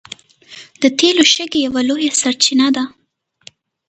د تیلو شګې یوه لویه سرچینه ده.